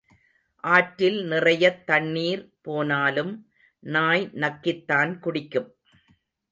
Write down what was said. ஆற்றில் நிறையத் தண்ணீர் போனாலும் நாய் நக்கித்தான் குடிக்கும்.